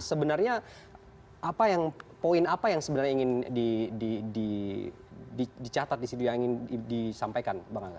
sebenarnya poin apa yang sebenarnya ingin dicatat di situ yang ingin disampaikan bang angga